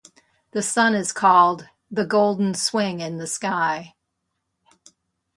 "The sun is called "the golden swing in the sky"."